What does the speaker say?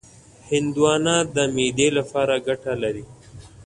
هندوانه د معدې لپاره ګټه لري.